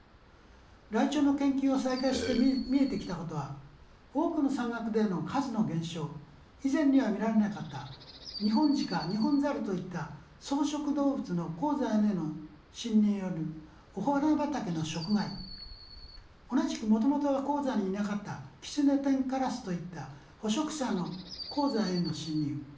ライチョウの研究を再開して見えてきたことは多くの山岳での数の減少以前には見られなかった二ホンジカニホンザルといった草食動物の高山への侵入によるお花畑の食害同じくもともとは高山にいなかったキツネテンカラスといった捕食者の高山への侵入